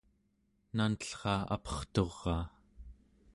nantellra aperturaa